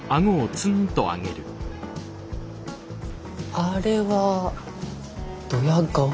あれはドヤ顔？